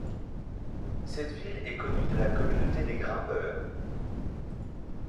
Cette ville est connue de la communauté des grimpeurs.